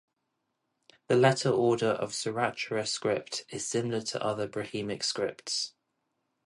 The letter order of Saurashtra script is similar to other Brahmic scripts.